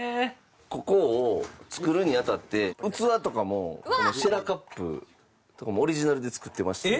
ここを作るに当たって器とかもシェラカップとかもオリジナルで作ってまして。